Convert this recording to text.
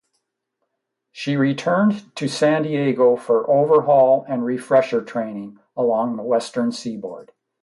She returned to San Diego for overhaul and refresher training along the western seaboard.